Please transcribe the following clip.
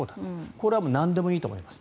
これはなんでもいいと思います。